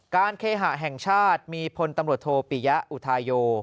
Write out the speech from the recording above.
เคหะแห่งชาติมีพลตำรวจโทปิยะอุทาโย